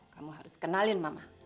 kamu harus kenalin mama